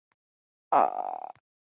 该站位于龙岗区龙岗街道龙岗社区。